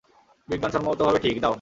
বিজ্ঞানসম্মতভাবে ঠিক, দাও।